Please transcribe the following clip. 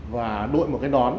và đội một cái đón